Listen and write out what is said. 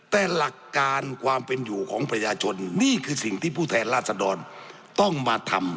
แต่หลักการความเป็นอยู่ของประชาชนนี่คือสิ่งที่ผู้แทนราชดรต้องมาทำ